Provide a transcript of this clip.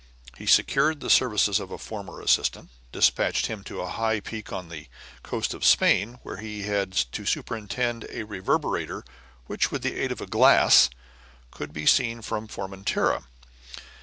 He secured the services of a former assistant, and dispatched him to a high peak on the coast of Spain, where he had to superintend a reverberator, which, with the aid of a glass, could be seen from Formentera.